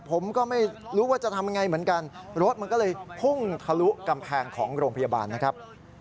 ผมก็ไม่รู้ว่าจะทำยังไงเหมือนกันรถมันก็เลยพุ่งทะลุกำแพงของโรงพยาบาลนะครับ